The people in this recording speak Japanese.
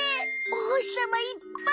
おほしさまいっぱい！